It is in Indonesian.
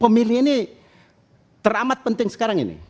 pemilih ini teramat penting sekarang ini